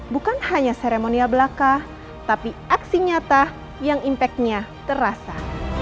bukan hanya seremonial belaka tapi aksi nyata yang impactnya terasa